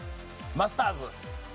マスターズ。